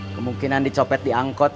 kemungkinan dicopet diangkot